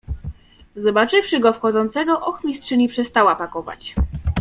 "Zobaczywszy go wchodzącego, ochmistrzyni przestała pakować."